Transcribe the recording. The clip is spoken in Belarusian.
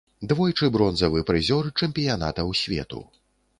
Двойчы бронзавы прызёр чэмпіянатаў свету.